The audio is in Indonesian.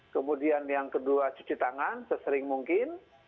kemudian yang kedua cuci tangan sesering mungkin